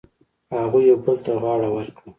هغوی یو بل ته غاړه ورکړه.